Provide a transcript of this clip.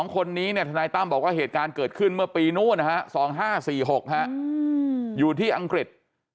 ๒คนนี้ทนายตั้มบอกว่าเหตุการณ์เกิดขึ้นเมื่อปีนู้น๒๕๔๖อยู่ที่อังกฤษ